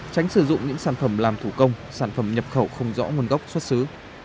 tránh sử dụng những sản phẩm làm thủ công sản phẩm nhập khẩu không rõ nguồn gốc xuất xứ